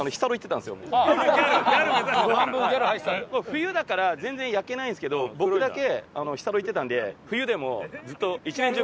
冬だから全然焼けないんですけど僕だけ日サロ行ってたんで冬でもずっと。